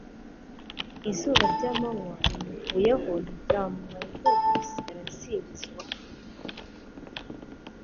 izuba ry'amanywa rimuvuyeho ntiryamumara imbeho, nsigara nsingiza uwantanagiye.